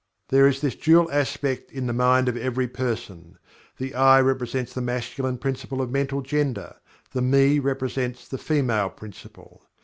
There is this dual aspect in the mind of every person. The "I" represents the Masculine Principle of Mental Gender the "Me" represents the Female Principle.